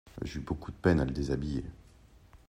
J'eus beaucoup de peine à le déshabiller.